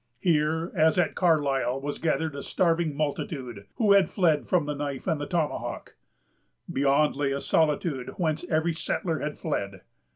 Here, as at Carlisle, was gathered a starving multitude, who had fled from the knife and the tomahawk. Beyond lay a solitude whence every settler had fled.